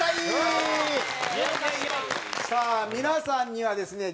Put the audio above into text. さあ皆さんにはですね